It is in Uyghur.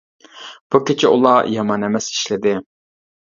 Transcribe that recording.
بۇ كېچە ئۇلار يامان ئەمەس ئىشلىدى.